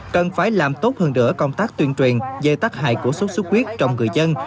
cần phải làm tốt hơn nữa công tác tuyên truyền về tác hại của sốt xuất huyết trong người dân